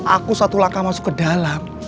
aku satu langkah masuk ke dalam